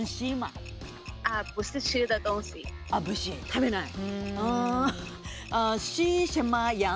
食べない。